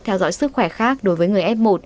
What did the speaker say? theo dõi sức khỏe khác đối với người f một